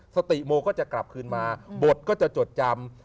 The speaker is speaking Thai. สติโมก็จะกลับคืนมาบทก็จะจดจำ